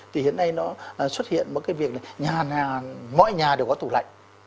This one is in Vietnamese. thì hiện nay nó xuất hiện một cái việc là mọi nhà đều có tủ lạnh